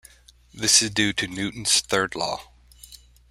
This is due to Newton's Third Law.